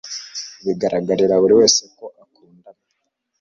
Bigaragarira buri wese ko akundana.